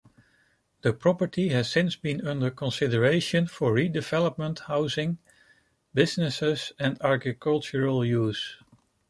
The property has since been under consideration for redevelopment housing, business and agricultural use.